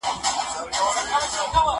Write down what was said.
د اثر له اړخه طلاق جلا بحث لري.